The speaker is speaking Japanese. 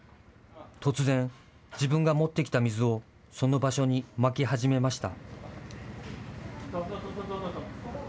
突然、自分が持ってきた水をその場所にまき始めました。